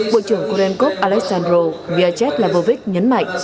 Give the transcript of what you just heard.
bộ trưởng korenkov aleksandrov vyacheslavovic nhấn mạnh